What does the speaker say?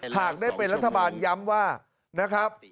หากได้เป็นรัฐบาลย้ำว่านะครับ